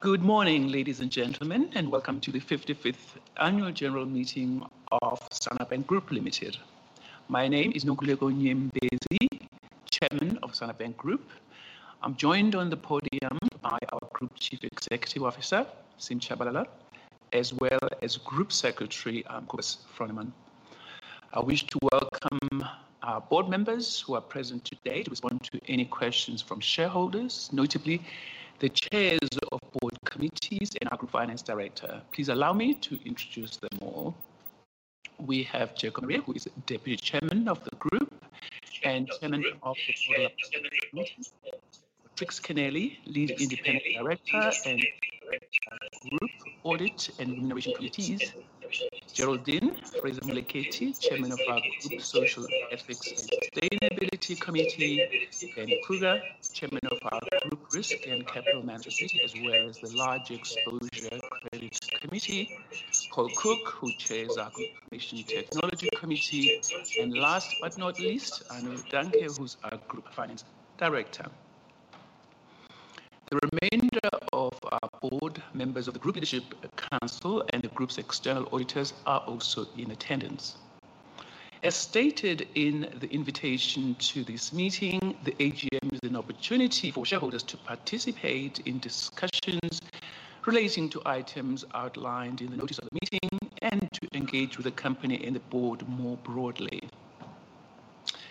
Good morning, ladies and gentlemen, and welcome to the 55th annual general meeting of Standard Bank Group Limited. My name is Nonkululeko Nyembezi, Chairman of Standard Bank Group. I'm joined on the podium by our Group Chief Executive Officer, Sim Tshabalala, as well as Group Secretary, Kobus Froneman. I wish to welcome our board members who are present today to respond to any questions from shareholders, notably the chairs of board committees and our Group Finance Director. Please allow me to introduce them all. We have Jacko Maree, who is Deputy Chairman of the group and Chairman of the board, Trix Kennealy, Lead Independent Director and Group Audit and Nomination Committees. Geraldine Fraser-Moleketi, Chairman of our Group Social, Ethics, and Sustainability Committee, and John Vice, Chairman of our Group Risk and Capital Management, as well as the large exposure credit committee. Paul Cook, who chairs our Group Information Technology Committee. And last but not least, Arno Daehnke, who's our Group Finance Director. The remainder of our board members of the Group Leadership Council and the group's external auditors are also in attendance. As stated in the invitation to this meeting, the AGM is an opportunity for shareholders to participate in discussions relating to items outlined in the notice of the meeting and to engage with the company and the board more broadly.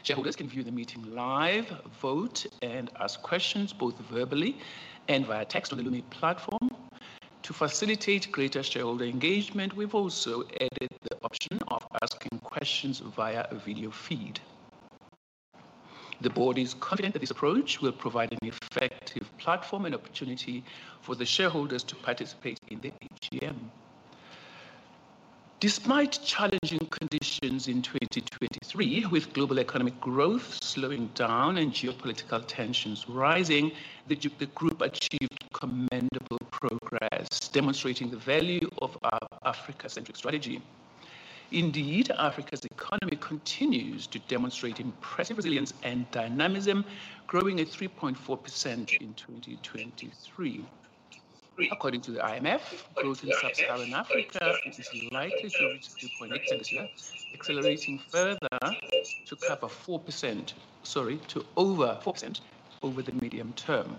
Shareholders can view the meeting live, vote, and ask questions both verbally and via text on the Lumi platform. To facilitate greater shareholder engagement, we've also added the option of asking questions via a video feed. The board is confident that this approach will provide an effective platform and opportunity for the shareholders to participate in the AGM. Despite challenging conditions in 2023, with global economic growth slowing down and geopolitical tensions rising, the group achieved commendable progress, demonstrating the value of our Africa-centric strategy. Indeed, Africa's economy continues to demonstrate impressive resilience and dynamism, growing at 3.4% in 2023. According to the IMF, growth in sub-Saharan Africa is likely to reach 2.8% this year, accelerating further to cover four percent... Sorry, to over 4% over the medium term.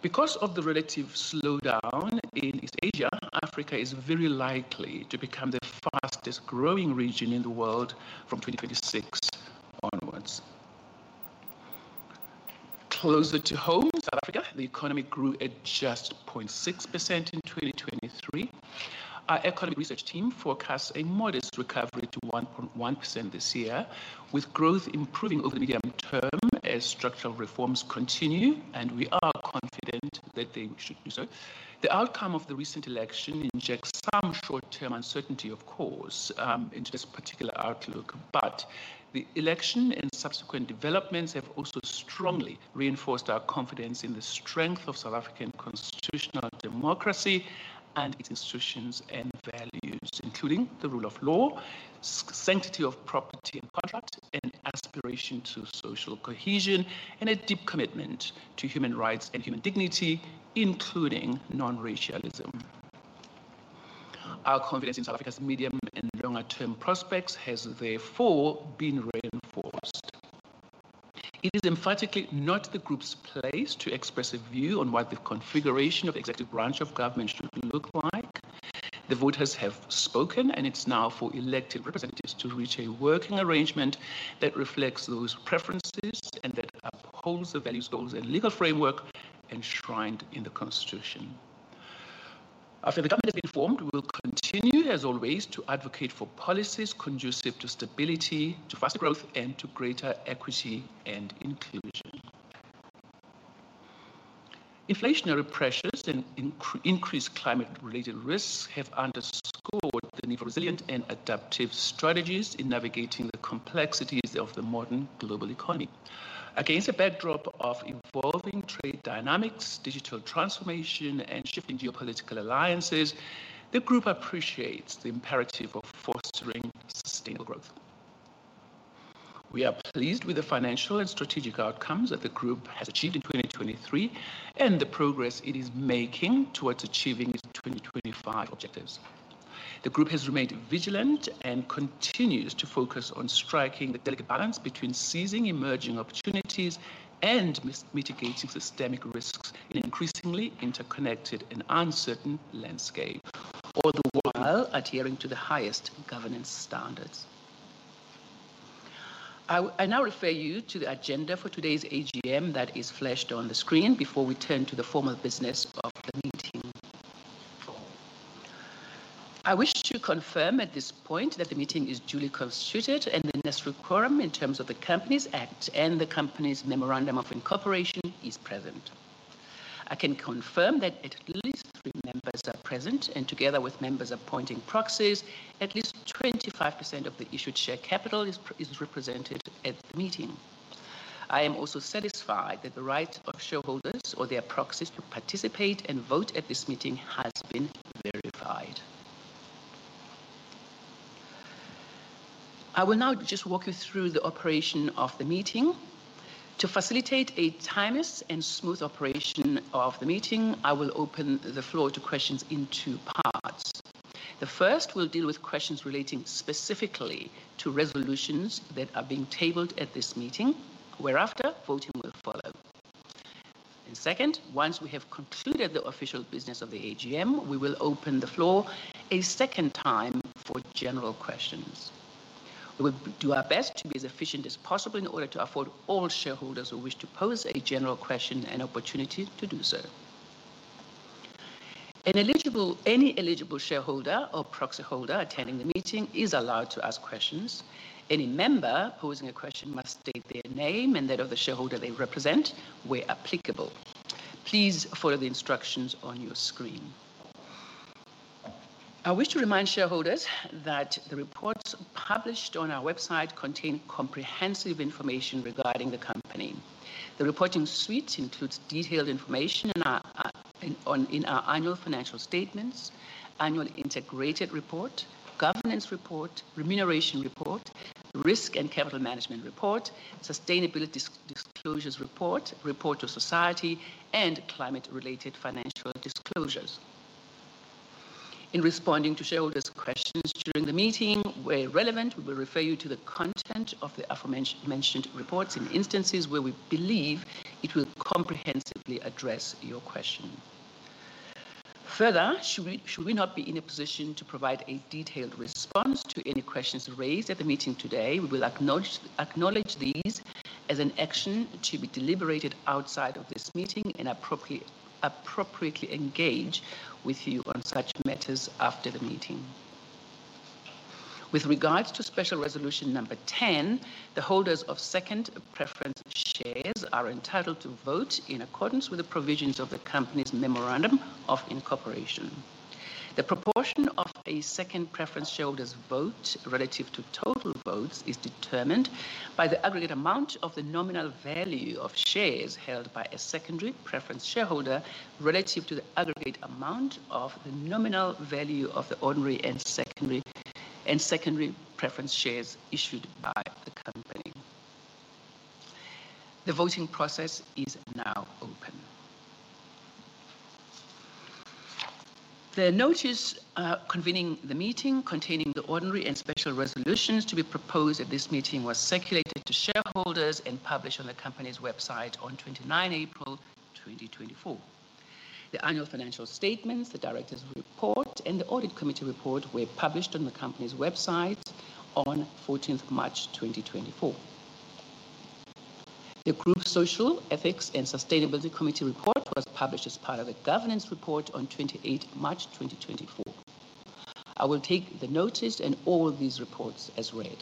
Because of the relative slowdown in East Asia, Africa is very likely to become the fastest growing region in the world from 2026 onwards. Closer to home, South Africa, the economy grew at just 0.6% in 2023. Our economic research team forecasts a modest recovery to 1.1% this year, with growth improving over the medium term as structural reforms continue, and we are confident that they should do so. The outcome of the recent election injects some short-term uncertainty, of course, into this particular outlook, but the election and subsequent developments have also strongly reinforced our confidence in the strength of South African constitutional democracy and its institutions and values, including the rule of law, sanctity of property and contract, and aspiration to social cohesion, and a deep commitment to human rights and human dignity, including non-racialism. Our confidence in South Africa's medium and longer-term prospects has therefore been reinforced. It is emphatically not the group's place to express a view on what the configuration of the executive branch of government should look like. The voters have spoken, and it's now for elected representatives to reach a working arrangement that reflects those preferences and that upholds the values, goals, and legal framework enshrined in the Constitution. After the government has been formed, we will continue, as always, to advocate for policies conducive to stability, to faster growth, and to greater equity and inclusion. Inflationary pressures and increased climate-related risks have underscored the need for resilient and adaptive strategies in navigating the complexities of the modern global economy. Against a backdrop of evolving trade dynamics, digital transformation, and shifting geopolitical alliances, the group appreciates the imperative of fostering sustainable growth. We are pleased with the financial and strategic outcomes that the group has achieved in 2023, and the progress it is making towards achieving its 2025 objectives. The group has remained vigilant and continues to focus on striking the delicate balance between seizing emerging opportunities and mitigating systemic risks in an increasingly interconnected and uncertain landscape, all the while adhering to the highest governance standards. I now refer you to the agenda for today's AGM that is flashed on the screen before we turn to the formal business of the meeting. I wish to confirm at this point that the meeting is duly constituted, and the necessary quorum in terms of the Companies Act and the company's memorandum of incorporation is present. I can confirm that at least three members are present, and together with members appointing proxies, at least 25% of the issued share capital is represented at the meeting. I am also satisfied that the right of shareholders or their proxies to participate and vote at this meeting has been verified. ... I will now just walk you through the operation of the meeting. To facilitate a timely and smooth operation of the meeting, I will open the floor to questions in two parts. The first will deal with questions relating specifically to resolutions that are being tabled at this meeting, whereafter voting will follow. And second, once we have concluded the official business of the AGM, we will open the floor a second time for general questions. We will do our best to be as efficient as possible in order to afford all shareholders who wish to pose a general question an opportunity to do so. Any eligible shareholder or proxyholder attending the meeting is allowed to ask questions. Any member posing a question must state their name and that of the shareholder they represent, where applicable. Please follow the instructions on your screen. I wish to remind shareholders that the reports published on our website contain comprehensive information regarding the company. The reporting suite includes detailed information in our annual financial statements, annual integrated report, governance report, remuneration report, risk and capital management report, sustainability disclosures report, report to society, and climate-related financial disclosures. In responding to shareholders' questions during the meeting, where relevant, we will refer you to the content of the aforementioned reports in instances where we believe it will comprehensively address your question. Further, should we not be in a position to provide a detailed response to any questions raised at the meeting today, we will acknowledge these as an action to be deliberated outside of this meeting and appropriately engage with you on such matters after the meeting. With regards to special resolution number 10, the holders of second preference shares are entitled to vote in accordance with the provisions of the company's memorandum of incorporation. The proportion of a second preference shareholder's vote relative to total votes is determined by the aggregate amount of the nominal value of shares held by a secondary preference shareholder relative to the aggregate amount of the nominal value of the ordinary and secondary, and secondary preference shares issued by the company. The voting process is now open. The notice convening the meeting, containing the ordinary and special resolutions to be proposed at this meeting, was circulated to shareholders and published on the company's website on 29 April 2024. The annual financial statements, the directors' report, and the audit committee report were published on the company's website on 14th March 2024. The group's Social, Ethics, and Sustainability Committee report was published as part of the governance report on 28 March 2024. I will take the notice and all these reports as read.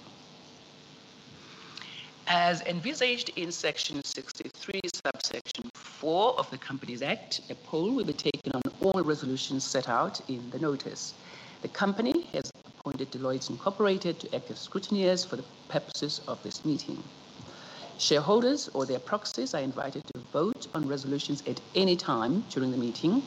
As envisaged in Section 63, Subsection four of the Companies Act, a poll will be taken on all resolutions set out in the notice. The company has appointed Deloitte Incorporated to act as scrutineers for the purposes of this meeting. Shareholders or their proxies are invited to vote on resolutions at any time during the meeting.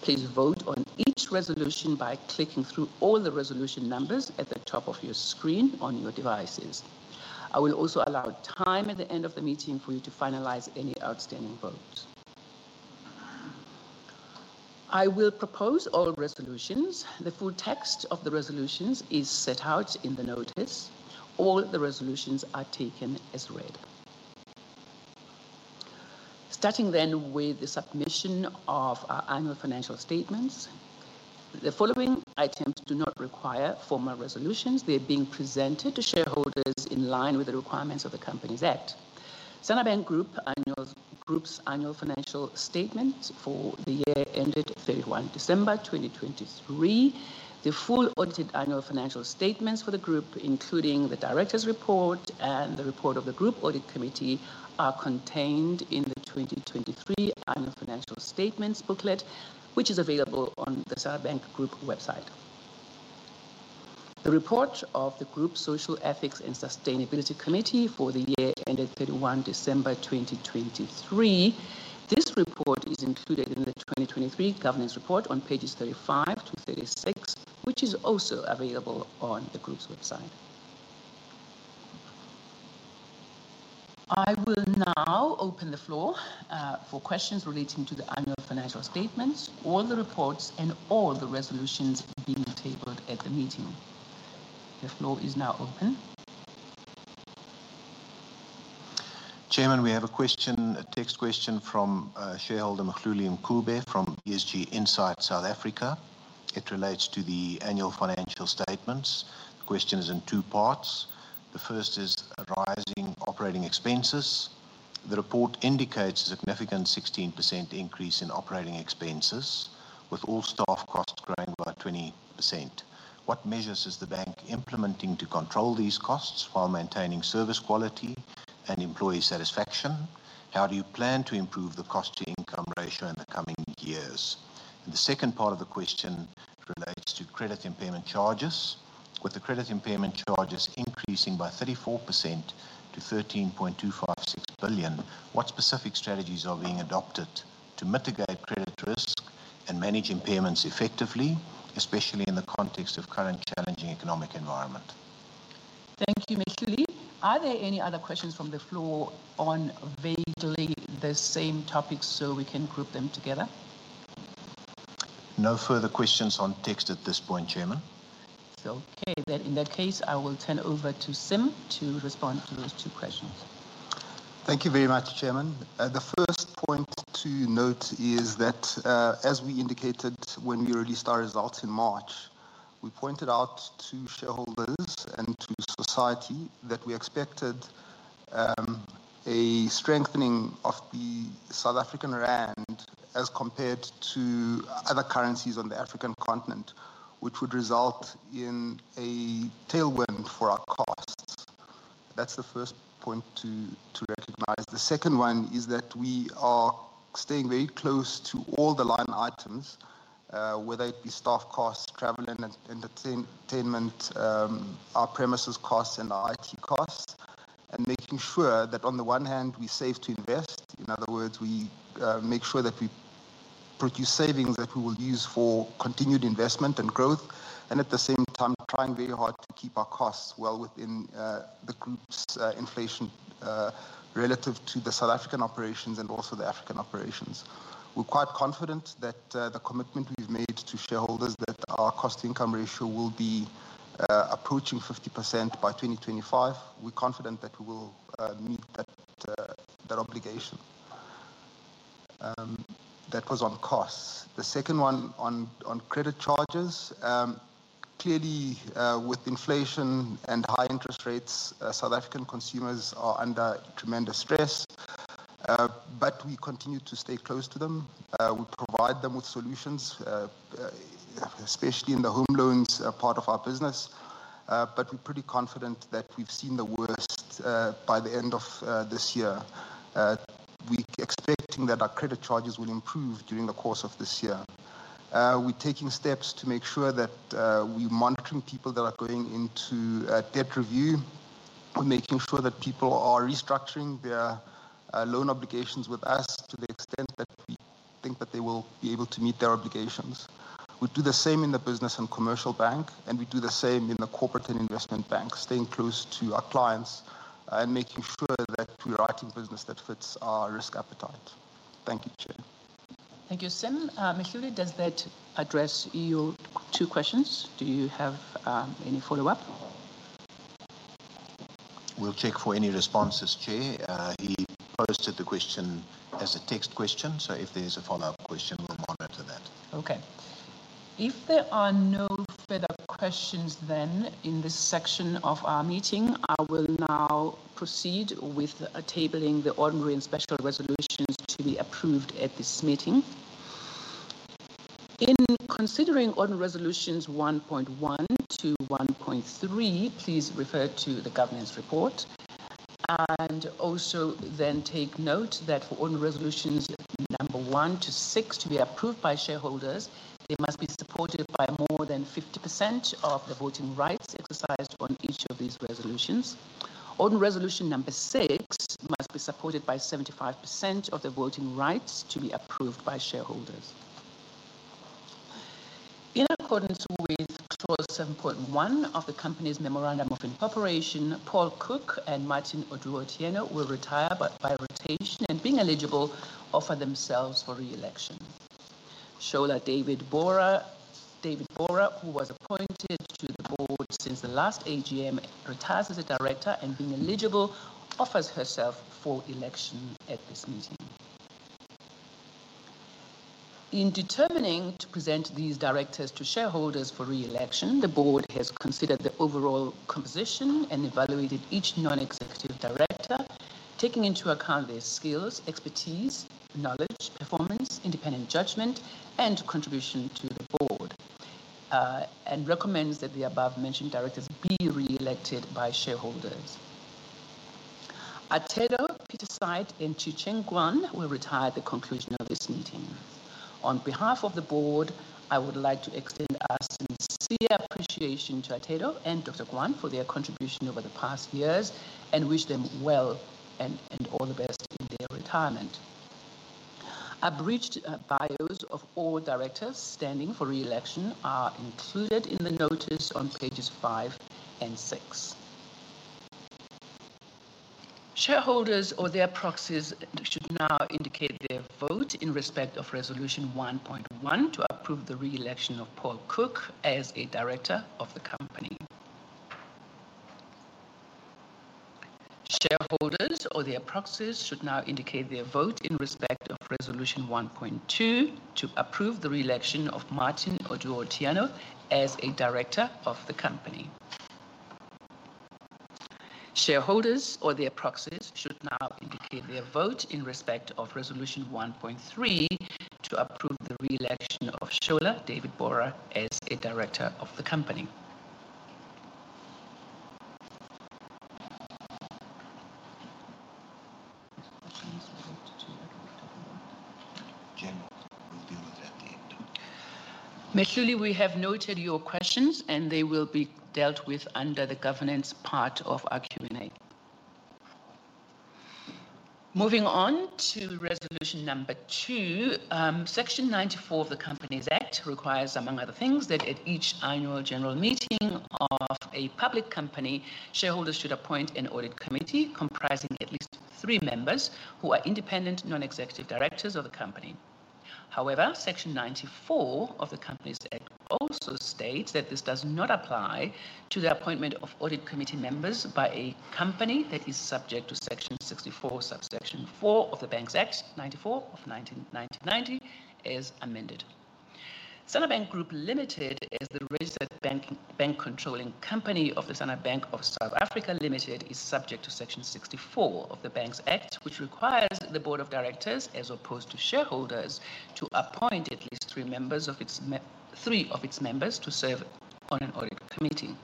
Please vote on each resolution by clicking through all the resolution numbers at the top of your screen on your devices. I will also allow time at the end of the meeting for you to finalize any outstanding votes. I will propose all resolutions. The full text of the resolutions is set out in the notice. All the resolutions are taken as read. Starting then with the submission of our annual financial statements, the following items do not require formal resolutions. They're being presented to shareholders in line with the requirements of the Companies Act. Standard Bank Group and the Group's annual financial statements for the year ended 31 December 2023. The full audited annual financial statements for the group, including the directors' report and the report of the group audit committee, are contained in the 2023 annual financial statements booklet, which is available on the Standard Bank Group website. The report of the Group's Social, Ethics, and Sustainability Committee for the year ended 31 December 2023, this report is included in the 2023 governance report on pages 35 to 36, which is also available on the group's website. I will now open the floor for questions relating to the annual financial statements, all the reports, and all the resolutions being tabled at the meeting. The floor is now open. Chairman, we have a question, a text question from shareholder Mehluli Ngubane from ESG Insight, South Africa. It relates to the annual financial statements. The question is in two parts. The first is rising operating expenses. The report indicates a significant 16% increase in operating expenses, with all staff costs growing by 20%. What measures is the bank implementing to control these costs while maintaining service quality and employee satisfaction? How do you plan to improve the cost-to-income ratio in the coming years? The second part of the question relates to credit impairment charges. With the credit impairment charges increasing by 34% to 13.256 billion, what specific strategies are being adopted to mitigate credit risk... and manage impairments effectively, especially in the context of current challenging economic environment? Thank you, Mehluli. Are there any other questions from the floor on vaguely the same topic, so we can group them together? No further questions on text at this point, Chairman. It's okay. In that case, I will turn over to Sim to respond to those two questions. Thank you very much, Chairman. The first point to note is that, as we indicated when we released our results in March, we pointed out to shareholders and to society that we expected a strengthening of the South African Rand as compared to other currencies on the African continent, which would result in a tailwind for our costs. That's the first point to recognize. The second one is that we are staying very close to all the line items, whether it be staff costs, travel and entertainment, our premises costs, and our IT costs, and making sure that on the one hand, we save to invest. In other words, we make sure that we produce savings that we will use for continued investment and growth, and at the same time, trying very hard to keep our costs well within the group's inflation relative to the South African operations and also the African operations. We're quite confident that the commitment we've made to shareholders that our cost income ratio will be approaching 50% by 2025, we're confident that we will meet that obligation. That was on costs. The second one on credit charges, clearly, with inflation and high interest rates, South African consumers are under tremendous stress, but we continue to stay close to them. We provide them with solutions, especially in the home loans part of our business. But we're pretty confident that we've seen the worst by the end of this year. We're expecting that our credit charges will improve during the course of this year. We're taking steps to make sure that we monitoring people that are going into debt review. We're making sure that people are restructuring their loan obligations with us, to the extent that we think that they will be able to meet their obligations. We do the same in the business and commercial bank, and we do the same in the corporate and investment bank, staying close to our clients, and making sure that we are writing business that fits our risk appetite. Thank you, Chair. Thank you, Sim. Mehluli, does that address your two questions? Do you have any follow-up? We'll check for any responses, Chair. He posted the question as a text question, so if there's a follow-up question, we'll monitor that. Okay. If there are no further questions, then in this section of our meeting, I will now proceed with tabling the ordinary and special resolutions to be approved at this meeting. In considering ordinary resolutions 1.1 to 1.3, please refer to the governance report, and also then take note that for ordinary resolutions number one to six to be approved by shareholders, they must be supported by more than 50% of the voting rights exercised on each of these resolutions. Ordinary resolution number six must be supported by 75% of the voting rights to be approved by shareholders. In accordance with clause 7.1 of the company's memorandum of incorporation, Paul Cook and Martin Oduor-Otieno will retire, but by rotation and being eligible, offer themselves for re-election. Shola David-Borha, who was appointed to the board since the last AGM, retires as a director, and being eligible, offers herself for election at this meeting. In determining to present these directors to shareholders for re-election, the board has considered the overall composition and evaluated each non-executive director, taking into account their skills, expertise, knowledge, performance, independent judgment, and contribution to the board, and recommends that the above-mentioned directors be re-elected by shareholders. Atedo Peterside and Xueqing Guan will retire at the conclusion of this meeting. On behalf of the board, I would like to extend our sincere appreciation to Atedo and Dr. Guan for their contribution over the past years, and wish them well and all the best in their retirement. Abridged bios of all directors standing for re-election are included in the notice on pages five and six. Shareholders or their proxies should now indicate their vote in respect of resolution 1.1, to approve the re-election of Paul Cook as a director of the company. Shareholders or their proxies should now indicate their vote in respect of resolution 1.2, to approve the re-election of Martin Oduor-Otieno as a director of the company. Shareholders or their proxies should now indicate their vote in respect of resolution 1.3, to approve the re-election of Shola David-Borha as a director of the company. Chairman, we'll deal with that at the end. Mehluli, we have noted your questions, and they will be dealt with under the governance part of our Q&A. Moving on to resolution number two, Section 94 of the Companies Act requires, among other things, that at each annual general meeting of a public company, shareholders should appoint an audit committee comprising at least three members who are independent, non-executive directors of the company. However, Section 94 of the Companies Act also states that this does not apply to the appointment of audit committee members by a company that is subject to Section 64, Subsection four of the Banks Act 94 of 1990, as amended. Standard Bank Group Limited is the registered bank, bank controlling company of the Standard Bank of South Africa Limited, is subject to Section 64 of the Banks Act, which requires the board of directors, as opposed to shareholders, to appoint at least three of its members to serve on an audit committee.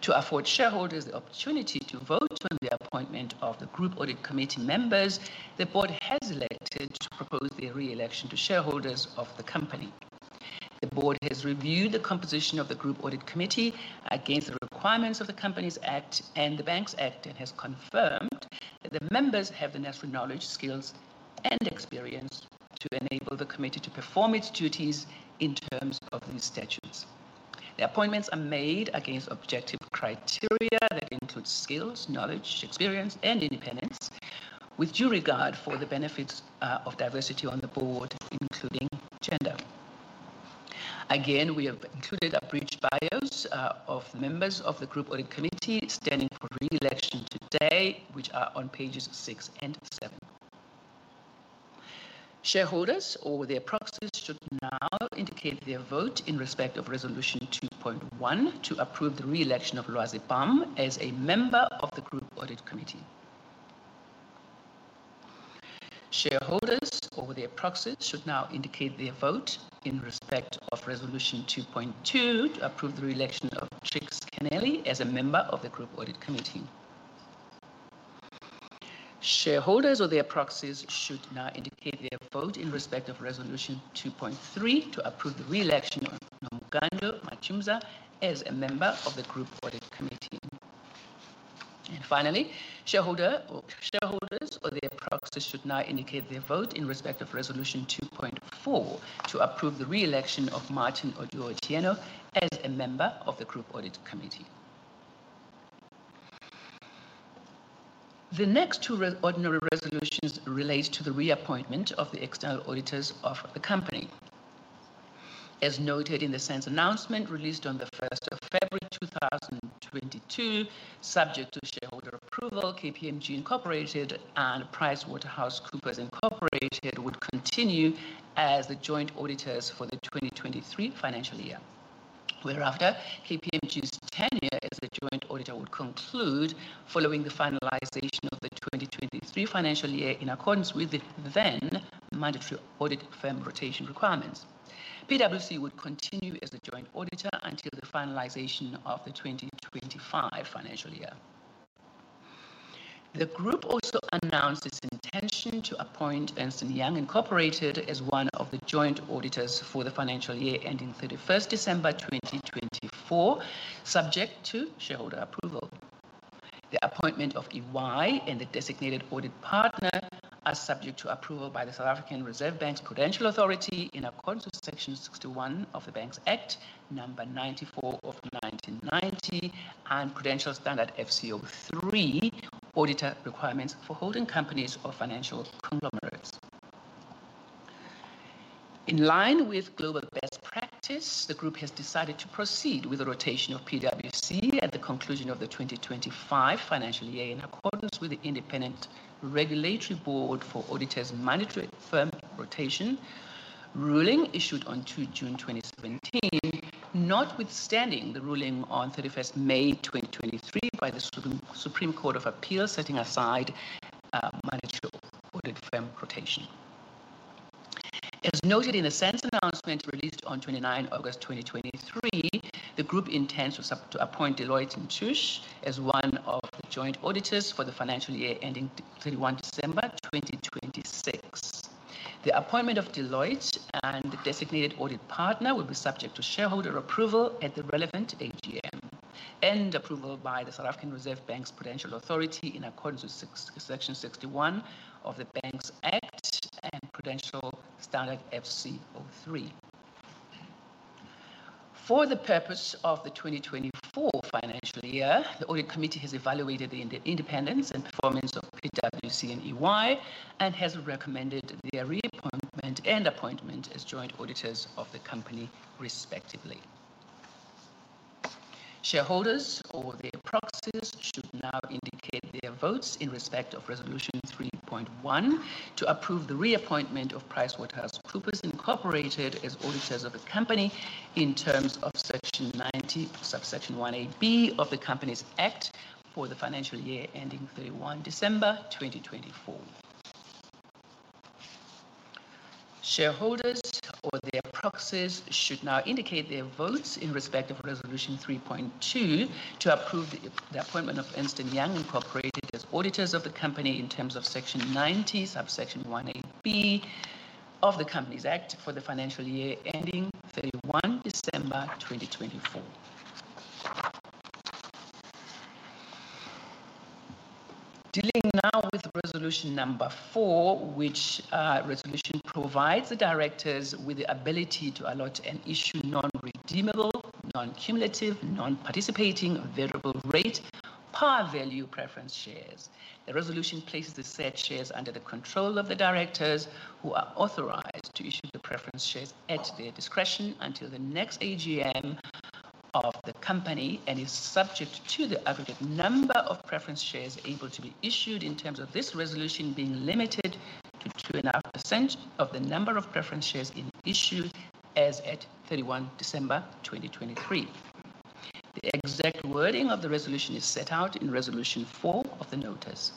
To afford shareholders the opportunity to vote on the appointment of the group audit committee members, the board has elected to propose their re-election to shareholders of the company. The board has reviewed the composition of the group audit committee against the requirements of the Companies Act and the Banks Act, and has confirmed that the members have the necessary knowledge, skills, and experience to enable the committee to perform its duties in terms of these statutes. The appointments are made against objective criteria that include skills, knowledge, experience, and independence, with due regard for the benefits of diversity on the board, including gender. Again, we have included abridged bios of members of the group audit committee standing for re-election today, which are on pages six and seven. Shareholders or their proxies should now indicate their vote in respect of resolution 2.1 to approve the re-election of Lwazi Bam as a member of the group audit committee. Shareholders or their proxies should now indicate their vote in respect of resolution 2.2, to approve the re-election of Trix Kennealy as a member of the group audit committee. Shareholders or their proxies should now indicate their vote in respect of resolution 2.3, to approve the re-election of Nomgando Matyumza as a member of the group audit committee. And finally, shareholder or shareholders or their proxies should now indicate their vote in respect of resolution 2.4, to approve the re-election of Martin Oduor-Otieno as a member of the group audit committee. The next two ordinary resolutions relates to the reappointment of the external auditors of the company. As noted in the SENS announcement released on the 1st of February 2022, subject to shareholder approval, KPMG Incorporated and PricewaterhouseCoopers Incorporated would continue as the joint auditors for the 2023 financial year. Whereafter, KPMG's tenure as the joint auditor would conclude following the finalization of the 2023 financial year, in accordance with the then mandatory audit firm rotation requirements. PwC would continue as the joint auditor until the finalization of the 2025 financial year. The group also announced its intention to appoint Ernst & Young Incorporated as one of the joint auditors for the financial year ending 31 December 2024, subject to shareholder approval. The appointment of EY and the designated audit partner are subject to approval by the South African Reserve Bank's Prudential Authority in accordance with Section 61 of the Banks Act, number 94 of 1990, and Prudential Standard FC03, auditor requirements for holding companies or financial conglomerates. In line with global best practice, the group has decided to proceed with the rotation of PwC at the conclusion of the 2025 financial year, in accordance with the Independent Regulatory Board for Auditors Mandatory Firm Rotation ruling issued on 2 June 2017, notwithstanding the ruling on 31 May 2023 by the Supreme Court of Appeal, setting aside mandatory audit firm rotation. As noted in the SENS announcement released on 29 August 2023, the group intends to appoint Deloitte and Touche as one of the joint auditors for the financial year ending 31 December 2026. The appointment of Deloitte and the designated audit partner will be subject to shareholder approval at the relevant AGM, and approval by the South African Reserve Bank's Prudential Authority in accordance with Section 61 of the Banks Act and Prudential Standard FC 03. For the purpose of the 2024 financial year, the audit committee has evaluated the independence and performance of PwC and EY, and has recommended their reappointment and appointment as joint auditors of the company respectively. Shareholders or their proxies should now indicate their votes in respect of resolution 3.1, to approve the reappointment of PricewaterhouseCoopers Incorporated as auditors of the company in terms of Section 90, Subsection 1 AB of the Companies Act for the financial year ending 31 December 2024. Shareholders or their proxies should now indicate their votes in respect of resolution 3.2, to approve the appointment of Ernst & Young Incorporated as auditors of the company in terms of Section 90, Subsection 1 AB of the Companies Act for the financial year ending 31 December 2024.... Dealing now with resolution number 4, which resolution provides the directors with the ability to allot and issue non-redeemable, non-cumulative, non-participating, variable rate, par value preference shares. The resolution places the said shares under the control of the directors, who are authorized to issue the preference shares at their discretion until the next AGM of the company, and is subject to the aggregate number of preference shares able to be issued in terms of this resolution being limited to 2.5% of the number of preference shares in issue as at 31 December 2023. The exact wording of the resolution is set out in resolution four of the notice.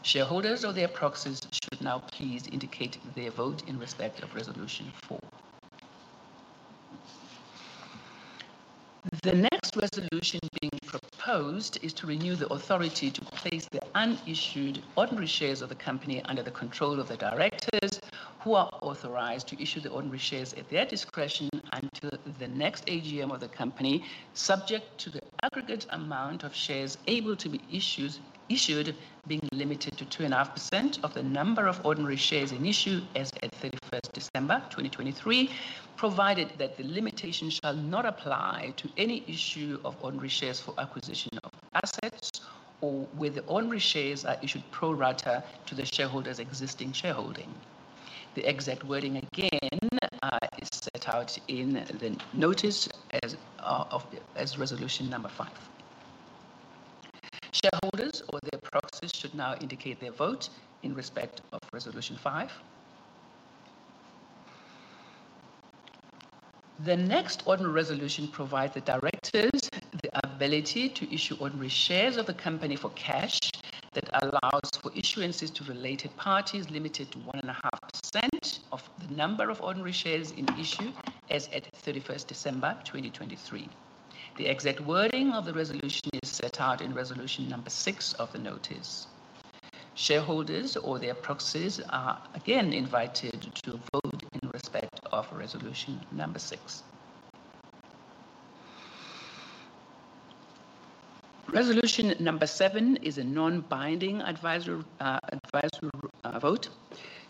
Shareholders or their proxies should now please indicate their vote in respect of resolution four. The next resolution being proposed is to renew the authority to place the unissued ordinary shares of the company under the control of the directors, who are authorized to issue the ordinary shares at their discretion until the next AGM of the company, subject to the aggregate amount of shares able to be issued, being limited to 2.5% of the number of ordinary shares in issue as at 31 December 2023, provided that the limitation shall not apply to any issue of ordinary shares for acquisition of assets or where the ordinary shares are issued pro rata to the shareholder's existing shareholding. The exact wording again is set out in the notice as of the as resolution number five. Shareholders or their proxies should now indicate their vote in respect of resolution five. The next ordinary resolution provides the directors the ability to issue ordinary shares of the company for cash that allows for issuances to related parties, limited to 1.5% of the number of ordinary shares in issue as at 31 December 2023. The exact wording of the resolution is set out in resolution number six of the notice. Shareholders or their proxies are again invited to vote in respect of resolution number six. Resolution number seven is a non-binding advisory vote.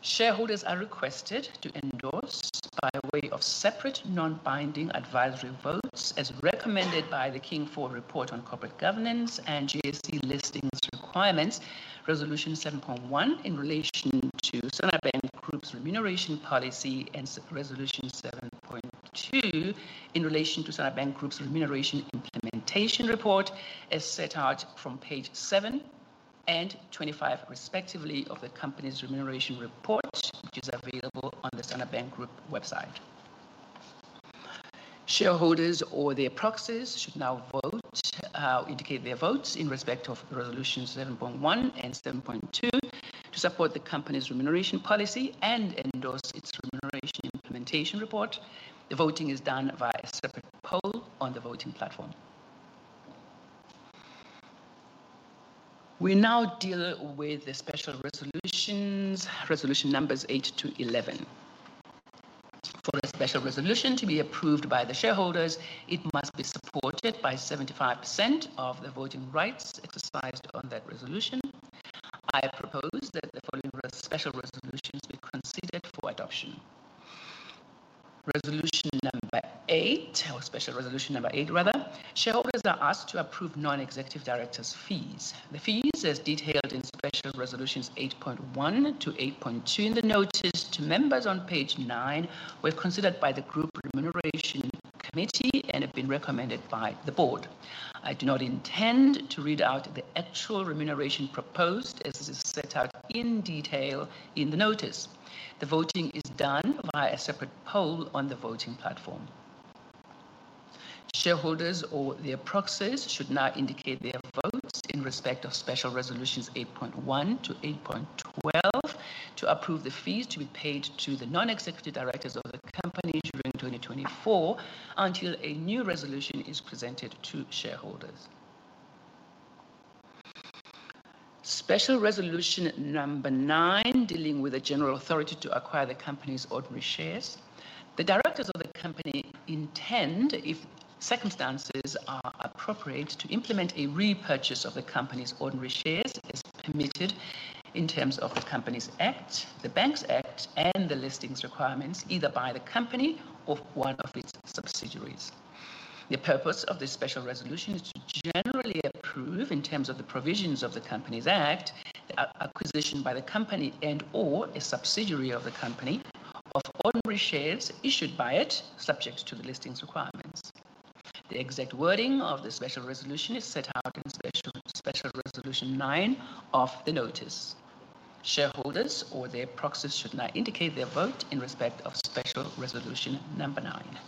Shareholders are requested to endorse by way of separate non-binding advisory votes as recommended by the King IV report on corporate governance and JSE listings requirements, resolution 7.1 in relation to Standard Bank Group's remuneration policy, and resolution 7.2 in relation to Standard Bank Group's remuneration implementation report, as set out from page seven and 25 respectively of the company's remuneration report, which is available on the Standard Bank Group website. Shareholders or their proxies should now vote, indicate their votes in respect of resolutions 7.1 and 7.2 to support the company's remuneration policy and endorse its remuneration implementation report. The voting is done via a separate poll on the voting platform. We now deal with the special resolutions, resolution numbers eight to 11. For a special resolution to be approved by the shareholders, it must be supported by 75% of the voting rights exercised on that resolution. I propose that the following special resolutions be considered for adoption. Resolution number eight, or special resolution number eight, rather, shareholders are asked to approve non-executive directors' fees. The fees, as detailed in special resolutions 8.1 to 8.2 in the notice to members on page nind, were considered by the group remuneration committee and have been recommended by the board. I do not intend to read out the actual remuneration proposed, as it is set out in detail in the notice. The voting is done via a separate poll on the voting platform. Shareholders or their proxies should now indicate their votes in respect of special resolutions 8.1 to 8.12, to approve the fees to be paid to the non-executive directors of the company during 2024, until a new resolution is presented to shareholders. Special resolution number nine, dealing with the general authority to acquire the company's ordinary shares. The directors of the company intend, if circumstances are appropriate, to implement a repurchase of the company's ordinary shares, as permitted in terms of the Companies Act, the Banks Act, and the listings requirements, either by the company or one of its subsidiaries. The purpose of this special resolution is to generally approve, in terms of the provisions of the Companies Act, an acquisition by the company and/or a subsidiary of the company of ordinary shares issued by it, subject to the listings requirements. The exact wording of the special resolution is set out in special resolution nine of the notice. Shareholders or their proxies should now indicate their vote in respect of special resolution number nine.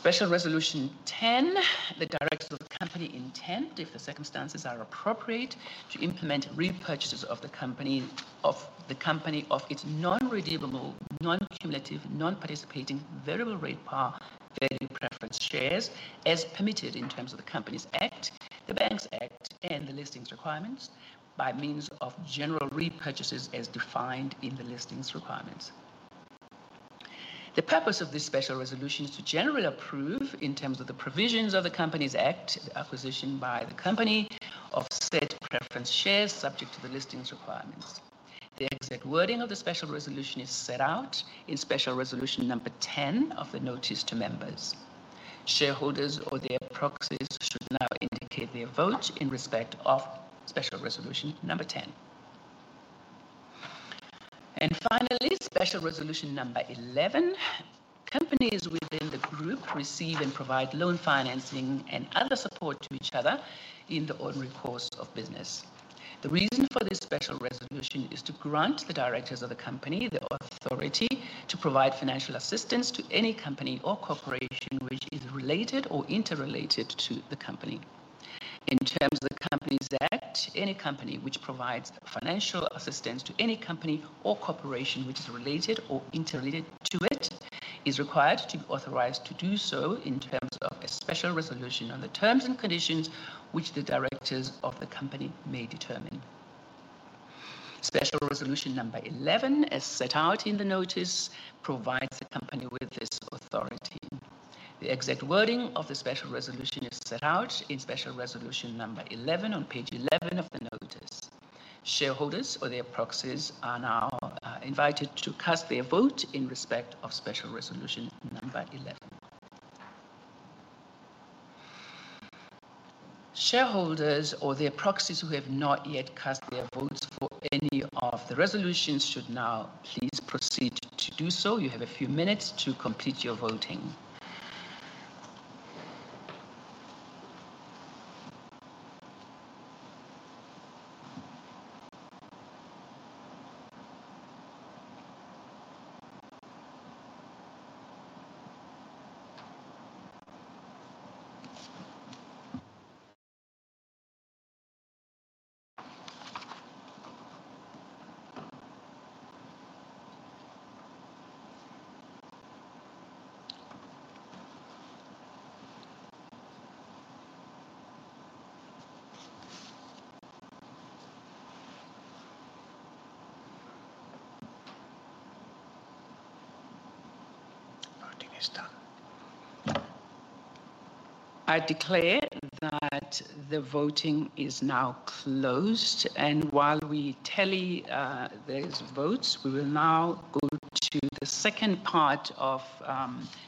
Special resolution ten, the directors of the company intend, if the circumstances are appropriate, to implement repurchases of the company of its non-redeemable, non-cumulative, non-participating, variable rate par value preference shares, as permitted in terms of the Companies Act, the Banks Act and the listings requirements by means of general repurchases as defined in the listings requirements. The purpose of this special resolution is to generally approve, in terms of the provisions of the Companies Act, the acquisition by the company of said preference shares, subject to the listings requirements. The exact wording of the special resolution is set out in special resolution number ten of the notice to members. Shareholders or their proxies should now indicate their vote in respect of special resolution number 10. And finally, special resolution number 11. Companies within the group receive and provide loan financing and other support to each other in the ordinary course of business. The reason for this special resolution is to grant the directors of the company the authority to provide financial assistance to any company or corporation which is related or interrelated to the company. In terms of the Companies Act, any company which provides financial assistance to any company or corporation which is related or interrelated to it, is required to be authorised to do so in terms of a special resolution on the terms and conditions which the directors of the company may determine. Special resolution number 11, as set out in the notice, provides the company with this authority. The exact wording of the special resolution is set out in special resolution number 11 on page 11 of the notice. Shareholders or their proxies are now invited to cast their vote in respect of special resolution number 11. Shareholders or their proxies who have not yet cast their votes for any of the resolutions should now please proceed to do so. You have a few minutes to complete your voting. Voting is done. I declare that the voting is now closed, and while we tally those votes, we will now go to the second part of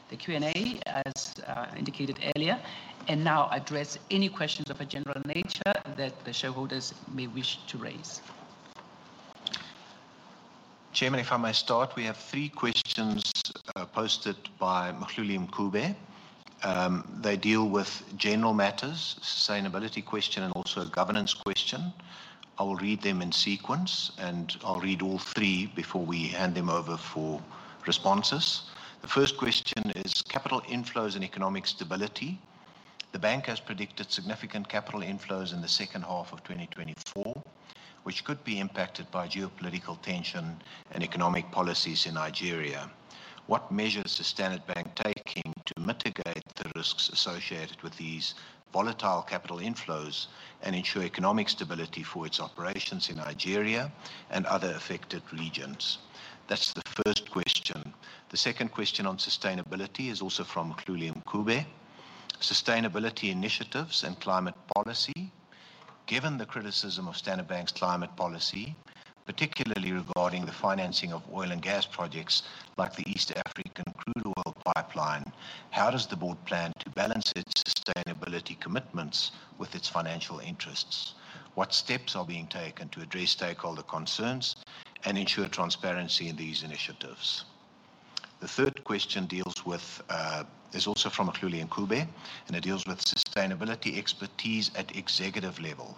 the Q&A, as indicated earlier, and now address any questions of a general nature that the shareholders may wish to raise. Chairman, if I may start, we have three questions posted by Mehluli Ngubane. They deal with general matters, sustainability question, and also a governance question. I will read them in sequence, and I'll read all three before we hand them over for responses. The first question is capital inflows and economic stability. The bank has predicted significant capital inflows in the second half of 2024, which could be impacted by geopolitical tension and economic policies in Nigeria. What measures is Standard Bank taking to mitigate the risks associated with these volatile capital inflows and ensure economic stability for its operations in Nigeria and other affected regions? That's the first question. The second question on sustainability is also from Mehluli Ngubane. Sustainability initiatives and climate policy. Given the criticism of Standard Bank's climate policy, particularly regarding the financing of oil and gas projects like the East African Crude Oil Pipeline, how does the board plan to balance its sustainability commitments with its financial interests? What steps are being taken to address stakeholder concerns and ensure transparency in these initiatives? The third question deals with, is also from Mehluli Ngubane, and it deals with sustainability expertise at executive level.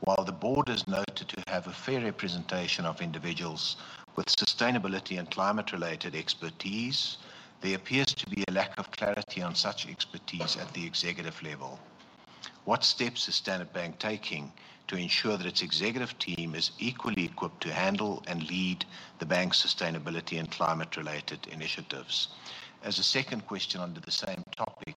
While the board is noted to have a fair representation of individuals with sustainability and climate-related expertise, there appears to be a lack of clarity on such expertise at the executive level. What steps is Standard Bank taking to ensure that its executive team is equally equipped to handle and lead the bank's sustainability and climate-related initiatives? As a second question under the same topic,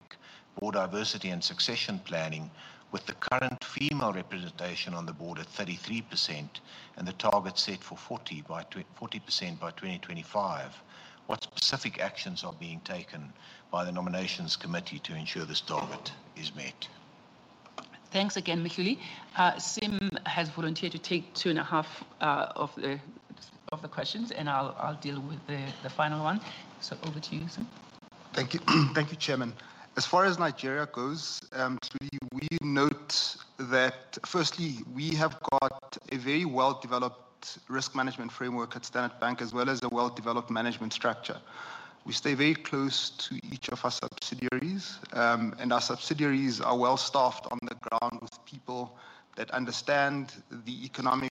board diversity and succession planning. With the current female representation on the board at 33% and the target set for 40% by 2025, what specific actions are being taken by the nominations committee to ensure this target is met? Thanks again, Mehluli. Sim has volunteered to take 2.5 of the questions, and I'll deal with the final one. So over to you, Sim. Thank you. Thank you, Chairman. As far as Nigeria goes, so we note that firstly, we have got a very well-developed risk management framework at Standard Bank, as well as a well-developed management structure. We stay very close to each of our subsidiaries, and our subsidiaries are well-staffed on the ground with people that understand the economic,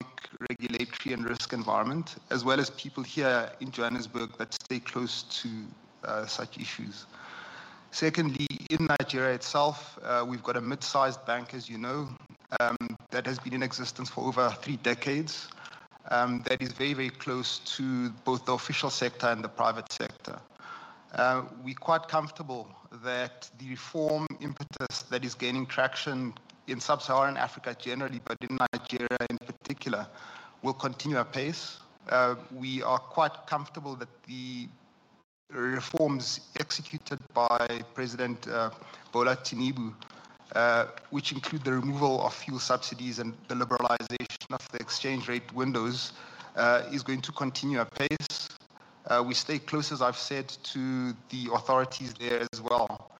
regulatory, and risk environment, as well as people here in Johannesburg that stay close to such issues. Secondly, in Nigeria itself, we've got a mid-sized bank, as you know, that has been in existence for over three decades, that is very, very close to both the official sector and the private sector. We're quite comfortable that the reform impetus that is gaining traction in sub-Saharan Africa generally, but in Nigeria in particular, will continue apace. We are quite comfortable that the reforms executed by President Bola Tinubu, which include the removal of fuel subsidies and the liberalization of the exchange rate windows, is going to continue apace. We stay close, as I've said, to the authorities there as well.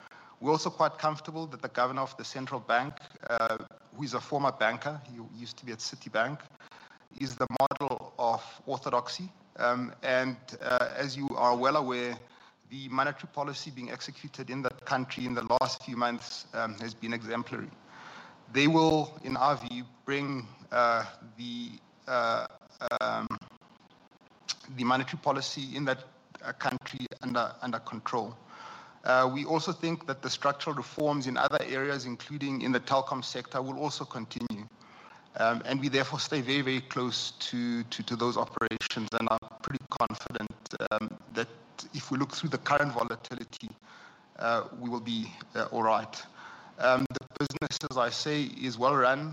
We're also quite comfortable that the governor of the central bank, who is a former banker, he used to be at Citibank, is the model of orthodoxy. And, as you are well aware, the monetary policy being executed in that country in the last few months, has been exemplary. They will, in our view, bring the monetary policy in that country under control. We also think that the structural reforms in other areas, including in the telecom sector, will also continue. We therefore stay very, very close to, to, to those operations and are pretty confident that if we look through the current volatility, we will be all right. The business, as I say, is well-run.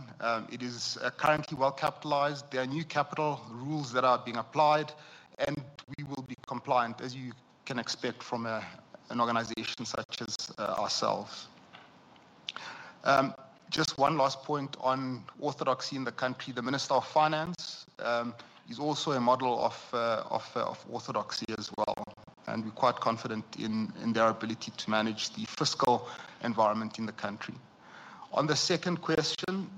It is currently well-capitalized. There are new capital rules that are being applied, and we will be compliant, as you can expect from a, an organization such as ourselves. Just one last point on orthodoxy in the country. The Minister of Finance is also a model of orthodoxy as well, and we're quite confident in their ability to manage the fiscal environment in the country. On the second question,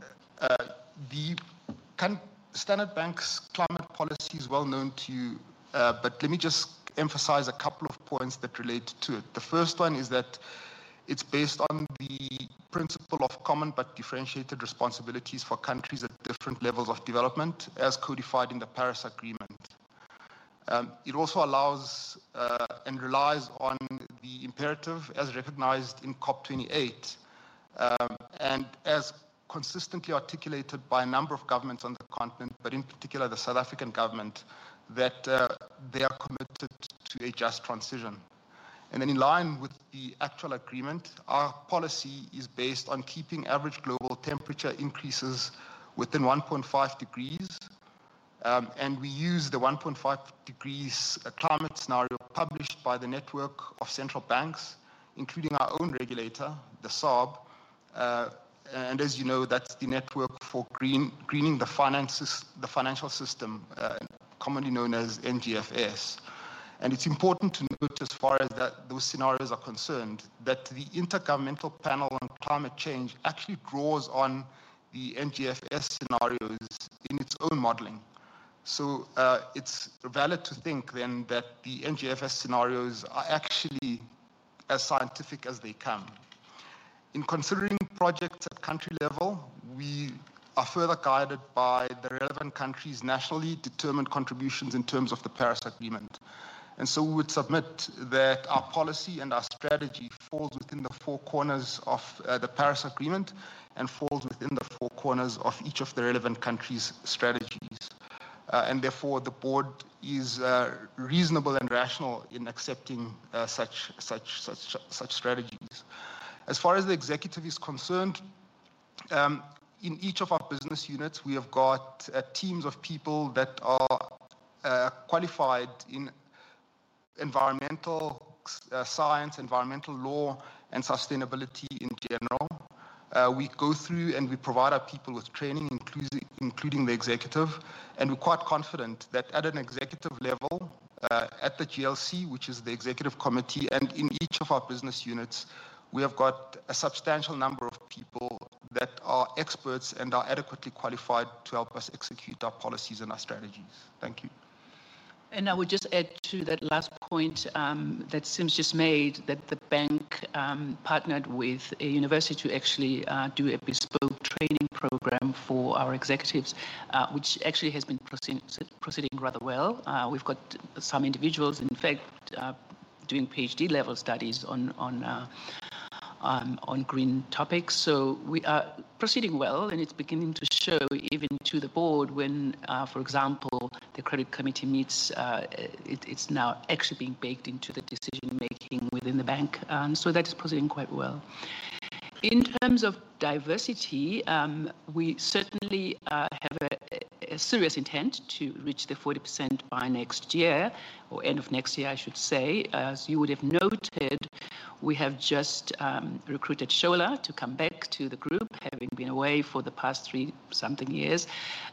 Standard Bank's climate policy is well known to you, but let me just emphasize a couple of points that relate to it. The first one is that it's based on the principle of common but differentiated responsibilities for countries at different levels of development, as codified in the Paris Agreement. It also allows, and relies on the imperative, as recognized in COP28, and as consistently articulated by a number of governments on the continent, but in particular, the South African government, that, they are committed to a just transition. And then in line with the actual agreement, our policy is based on keeping average global temperature increases within 1.5 degrees, and we use the 1.5 degrees, climate scenario published by the Network of Central Banks, including our own regulator, the SARB. And as you know, that's the Network for Greening the Financial System, commonly known as NGFS. It's important to note as far as that, those scenarios are concerned, that the Intergovernmental Panel on Climate Change actually draws on the NGFS scenarios in its own modeling. So, it's valid to think then that the NGFS scenarios are actually as scientific as they come. In considering projects at country level, we are further guided by the relevant countries' nationally determined contributions in terms of the Paris Agreement. And so we would submit that our policy and our strategy falls within the four corners of, the Paris Agreement and falls within the four corners of each of the relevant countries' strategies. And therefore, the board is reasonable and rational in accepting such strategies. As far as the executive is concerned, in each of our business units, we have got teams of people that are qualified in environmental science, environmental law, and sustainability in general. We go through and we provide our people with training, including the executive, and we're quite confident that at an executive level, at the GLC, which is the executive committee, and in each of our business units, we have got a substantial number of people that are experts and are adequately qualified to help us execute our policies and our strategies. Thank you. I would just add to that last point that Sim just made, that the bank partnered with a university to actually do a bespoke training program for our executives, which actually has been proceeding rather well. We've got some individuals, in fact, doing PhD-level studies on green topics. So we are proceeding well, and it's beginning to show even to the board when, for example, the credit committee meets, it's now actually being baked into the decision-making within the bank. So that is proceeding quite well. In terms of diversity, we certainly have a serious intent to reach the 40% by next year, or end of next year, I should say. As you would have noted, we have just recruited Shola to come back to the group, having been away for the past three-something years,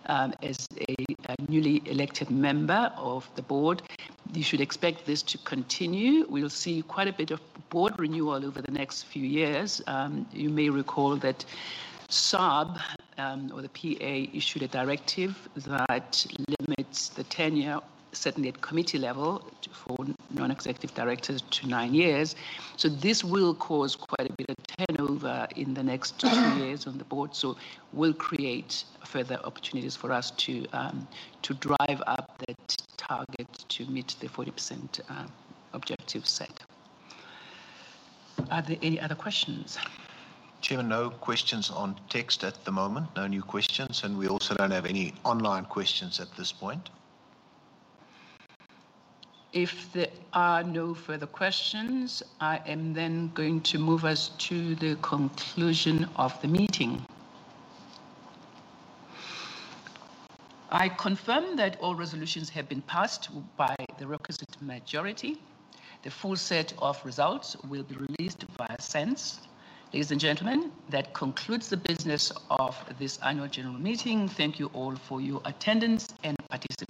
as a newly elected member of the board. You should expect this to continue. We'll see quite a bit of board renewal over the next few years. You may recall that SBSA or the PA issued a directive that limits the tenure, certainly at committee level, for non-executive directors, to nine years. So this will cause quite a bit of turnover in the next two years on the board, so will create further opportunities for us to drive up that target to meet the 40% objective set. Are there any other questions? Chairman, no questions on text at the moment. No new questions, and we also don't have any online questions at this point. If there are no further questions, I am then going to move us to the conclusion of the meeting. I confirm that all resolutions have been passed by the requisite majority. The full set of results will be released via SENS. Ladies and gentlemen, that concludes the business of this annual general meeting. Thank you all for your attendance and participation.